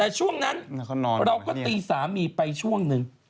แต่ช่วงนั้นเราก็ตีสามีไปช่วงหนึ่ง